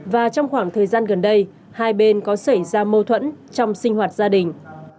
và trong khoảng thời gian gần đây hai bên có xảy ra mâu thuẫn trong sinh hoạt gia đình